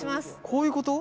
こういうこと？